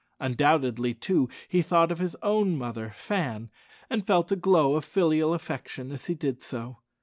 Undoubtedly, too, he thought of his own mother, Fan, and felt a glow of filial affection as he did so.